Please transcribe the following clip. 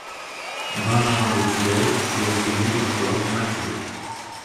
Benjamin de Tudèle lui attribue des pouvoirs miraculeux.